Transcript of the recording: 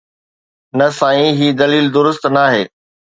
نه سائين، هي دليل درست ناهي.